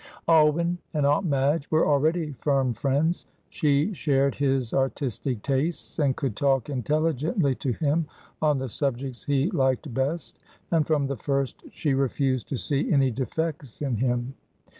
Alwyn and Aunt Madge were already firm friends. She shared his artistic tastes and could talk intelligently to him on the subjects he liked best, and from the first she refused to see any defects in him.